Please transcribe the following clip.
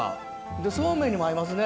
でそうめんにも合いますね。